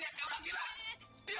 apa lagi sih itu anak